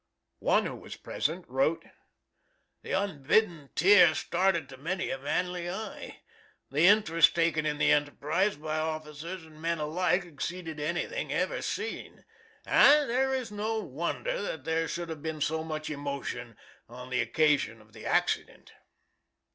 One who was present wrote: "The unbidden tear started to many a manly eye. The interest taken in the enterprise by officers and men alike exceeded anything ever seen, and there is no wonder that there should have been so much emotion on the occasion of the accident."